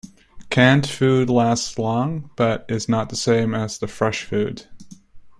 Canned food lasts long but is not the same as the fresh food.